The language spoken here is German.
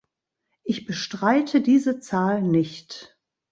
Ich bestreite diese Zahl nicht.